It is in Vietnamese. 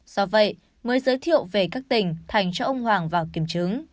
do vậy mới giới thiệu về các tỉnh thành cho ông hoàng vào kiểm chứng